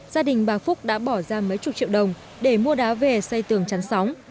gia đình bà phúc đã bỏ ra mấy chục triệu đồng để mua đá về xây tường chắn sóng